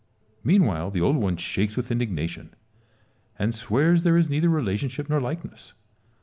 Meanwhile the old one shakes with indignation, and swears there is neither relationship nor likeness.